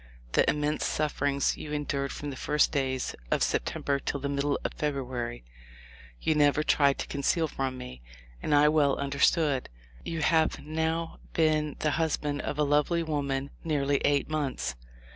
The immense sufferings you endured from the first days of September till the middle of Feb ruary you never tried to conceal from me, and I well understood. You have now been the husband of a lovely woman nearly eight months.